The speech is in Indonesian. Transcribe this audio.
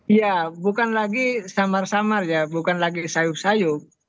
iya bukan lagi samar samar ya bukan lagi sayup sayup